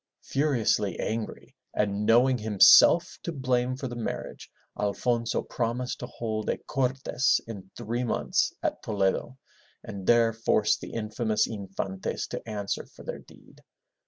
Furiously angry, and knowing himself to blame for the marriage, Alfonso promised to hold a Cor'tesi in three months at Toledo, and there force the infamous Infantes to answer for their deed.